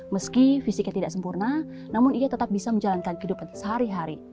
meski fisiknya tidak sempurna namun ia tetap bisa menjalankan kehidupan sehari hari